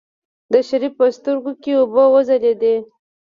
د شريف په سترګو کې اوبه وځلېدلې.